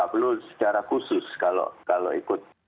perlu secara khusus kalau ikut